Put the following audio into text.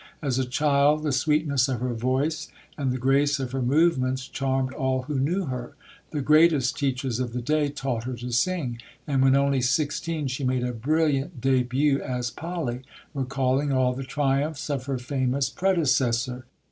As a child the sweetness of her voice and the grace of her movements charmed all who knew her. The greatest teachers of the day taught her to sing, and when only sixteen she made a brilliant début as Polly, recalling all the triumphs of her famous predecessor.